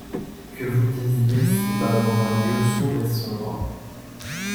Que vous disiez si bas dans un lieu sourd et sombre